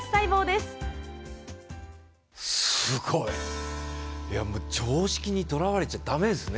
すごい。いや、もう常識にとらわれちゃ、だめですね。